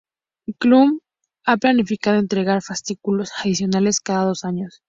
Knuth ha planificado entregar fascículos adicionales cada dos años.